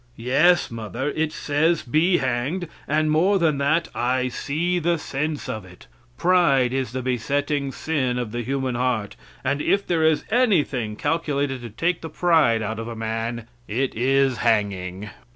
"Yes, mother, it says be hanged, and, more than that, I see the sense of it. Pride is the besetting sin of the human heart, and if there is anything calculated to take the pride out of a man it is hanging."